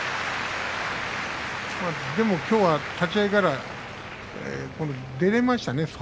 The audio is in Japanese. きょうは立ち合いから出れましたね